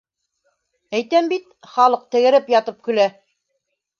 Әйтәм бит, халыҡ тәгәрәп ятып көлә.